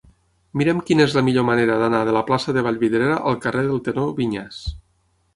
Mira'm quina és la millor manera d'anar de la plaça de Vallvidrera al carrer del Tenor Viñas.